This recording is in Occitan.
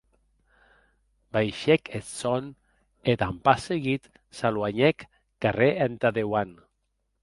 Baishèc eth sòn, e, damb pas seguit, s’aluenhèc carrèr entà dauant.